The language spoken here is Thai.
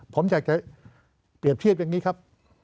ผมอยากจะเปรียบเทียบอย่างนี้ครับ